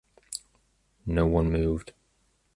No one moved.